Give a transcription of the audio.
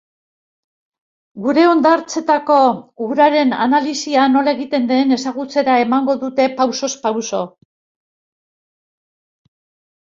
Gure hondartzetako uraren analisia nola egiten den ezagutzera emango dute pausoz pauso.